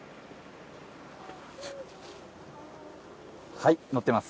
はい乗っています。